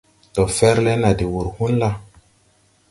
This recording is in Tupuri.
Ndo fer le na de wur hũn la?